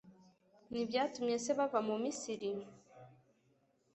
ntibyatumye se bava mu misiri